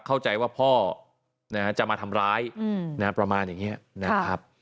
เข้าใจว่าพ่อจะมาทำร้ายประมาณอย่างนี้นะครับ